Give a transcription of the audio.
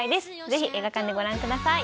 ぜひ映画館でご覧ください。